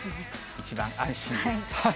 一番安心です。